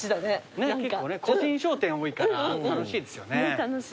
結構ね個人商店多いから楽しいですよね。